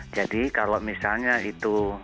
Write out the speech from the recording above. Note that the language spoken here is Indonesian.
jadi kalau misalnya itu